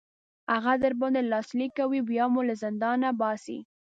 هغه در باندې لاسلیک کوي بیا مو له زندان باسي.